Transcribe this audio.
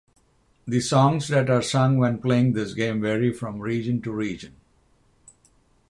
The songs that are sung when playing this game vary from region to region.